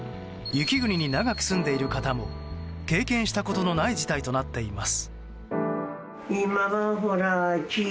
雪国に長く住んでいる方も経験したことのない事態となっています。